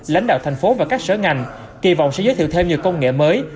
lãnh đạo thành phố và các sở ngành kỳ vọng sẽ giới thiệu thêm nhiều công nghệ mới